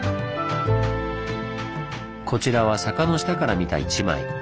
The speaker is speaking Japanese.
こちらは坂の下から見た一枚。